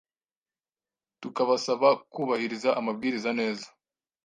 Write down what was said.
tukabasaba kubahiriza amabwiriza neza